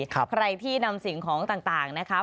ใครที่นำสิ่งของต่างนะคะ